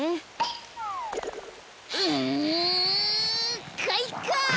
うんかいか！